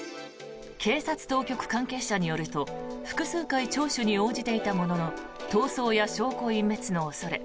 警察当局関係者によると複数回、聴取に応じていたものの逃走や証拠隠滅の恐れ